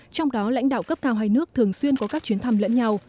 trong đó lãnh đạo cấp cao hai nước thường xuyên có các chuyến thăm lẫn nhau